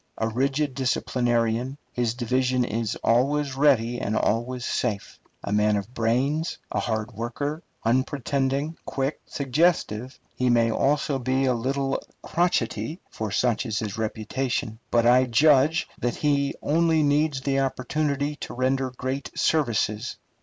A rigid disciplinarian, his division is always ready and always safe. A man of brains, a hard worker, unpretending, quick, suggestive, he may also be a little crotchety, for such is his reputation; but I judge that he only needs the opportunity to render great services.